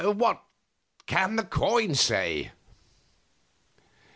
What can the coin say?"